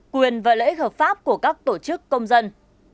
quyền và lợi ích hợp pháp của các tổ chức công dân